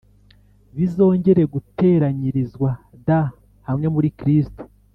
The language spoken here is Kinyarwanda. bizongere guteranyirizwa d hamwe muri Kristo